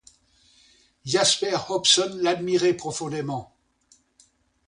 Jasper Hobson l’admirait profondément.